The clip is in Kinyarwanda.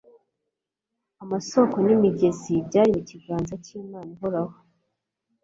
amasoko nimigezi byari mu kiganza cyImana ihoraho